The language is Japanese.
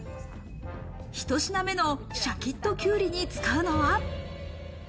ひと品目のシャキットきゅうりに使うのは。